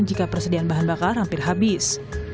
jika persediaan bahan bakar hampir habis